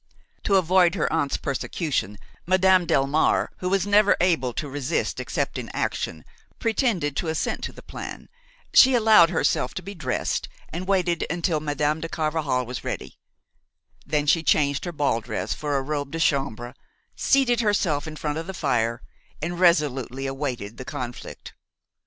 To avoid her aunt's persecution, Madame Delmare, who was never able to resist except in action, pretended to assent to the plan; she allowed herself to be dressed and waited until Madame de Carvajal was ready; then she changed her ball dress for a robe de chambre, seated herself in front of the fire and resolutely awaited the conflict.